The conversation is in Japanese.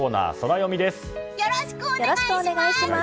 よろしくお願いします！